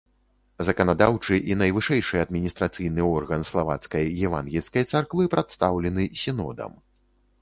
Заканадаўчы і найвышэйшы адміністрацыйны орган славацкай евангельскай царквы прадстаўлены сінодам.